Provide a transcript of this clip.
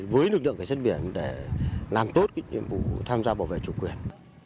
với lực lượng cảnh sát biển để làm tốt nhiệm vụ tham gia bảo vệ chủ quyền